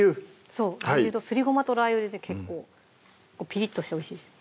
そうすりごまとラー油で結構ぴりっとしておいしいです